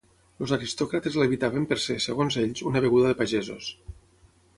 Els aristòcrates l'evitaven per ser, segons ells, una beguda de pagesos.